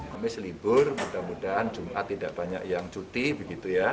kamis libur mudah mudahan jumat tidak banyak yang cuti